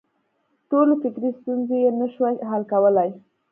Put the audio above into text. ټولې فکري ستونزې یې نه شوای حل کولای.